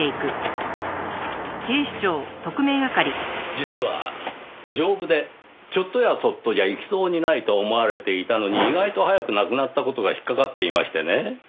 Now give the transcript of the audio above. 実は丈夫でちょっとやそっとじゃ逝きそうにないと思われていたのに意外と早く亡くなった事が引っ掛かっていましてねぇ。